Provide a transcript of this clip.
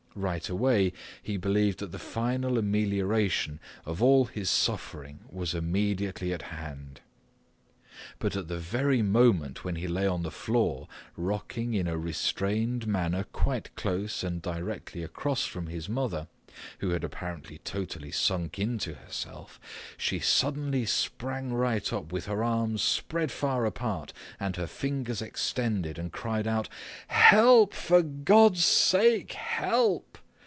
Right away he believed that the final amelioration of all his suffering was immediately at hand. But at the very moment when he lay on the floor rocking in a restrained manner quite close and directly across from his mother, who had apparently totally sunk into herself, she suddenly sprang right up with her arms spread far apart and her fingers extended and cried out, "Help, for God's sake, help!"